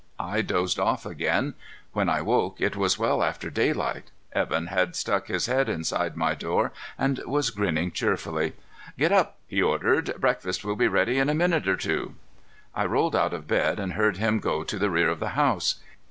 I dozed off again. When I woke, it was well after daylight. Evan had stuck his head inside my door and was grinning cheerfully. "Get up," he ordered. "Breakfast will be ready in a minute or two." I rolled out of bed and heard him go to the rear of the house.